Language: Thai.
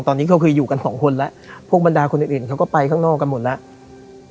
ตอนนี้ก็คืออยู่กันสองคนแล้วพวกบรรดาคนอื่นเขาก็ไปข้างนอกกันหมดแล้ว